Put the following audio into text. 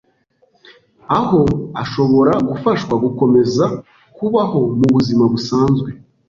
aho ashobora gufashwa gukomeza kubaho mu buzima busanzwe